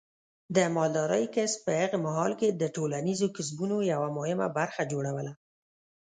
د مالدارۍ کسب په هغه مهال کې د ټولنیزو کسبونو یوه مهمه برخه جوړوله.